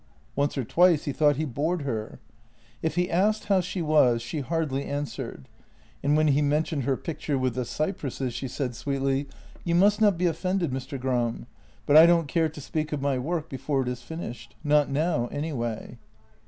Once or twice he thought he bored her. If he asked how she was, she hardly answered, and when he mentioned her picture with the cypresses she said sweetly: "You must not be offended, Mr. Gram, but I don't care to speak of my work before it is finished. Not now anyway."